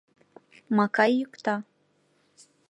Макай йӱкта.